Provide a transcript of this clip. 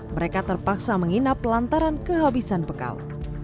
mereka terpaksa menginap lantaran kehabisan bekal